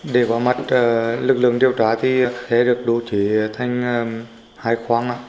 để có mặt lực lượng điều tra thì sẽ được đổ chế thành hai khoang